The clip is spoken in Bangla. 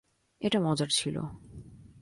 এটা মজার ছিল।